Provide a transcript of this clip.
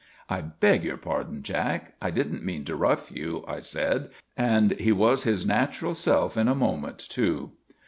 "I beg your pardon, Jack. I didn't mean to rough you," I said, and he was his natural self in a moment, too.